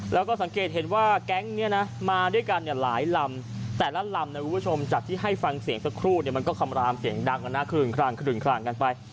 แล้วก็สังเกตเห็นว่าแก๊งนี้นะมาด้วยกันเนี่ยหลายลำแต่ละลำนะคุณผู้ชมจากที่ให้ฟังเสียงสักครู่เนี่ยมันก็คำรามเสียงดังกันนะคลื่นคลางกันไป